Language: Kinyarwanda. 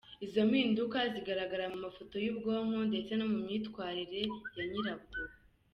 Izo mpinduka zigaragara mu mafoto y’ubwonko ndetse no mu myitwarire ya nyirabwo.